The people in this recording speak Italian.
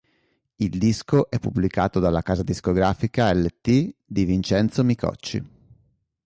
Il disco è pubblicato dalla casa discografica It di Vincenzo Micocci.